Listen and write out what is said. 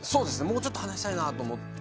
もうちょっと話したいなと思って。